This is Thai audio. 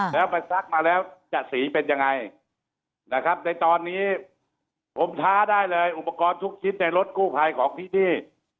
แล้วไปซักมาแล้วจะสีเป็นยังไงนะครับในตอนนี้ผมท้าได้เลยอุปกรณ์ทุกชิ้นในรถกู้ภัยของที่นี่